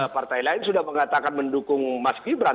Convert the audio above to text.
partai lain sudah mengatakan mendukung mas gibran